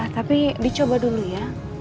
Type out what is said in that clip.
tapi dicoba dulu ya